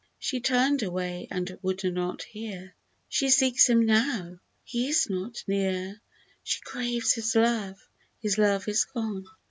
She turn'd away and would not hear ; She seeks him now, he is not near, She craves his love — his love is gone